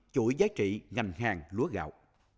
với giá trị ngành hàng lúa gạo